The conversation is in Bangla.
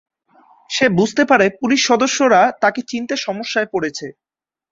সে বুঝতে পারে পুলিশ সদস্যরা তাকে চিনতে সমস্যায় পড়েছে।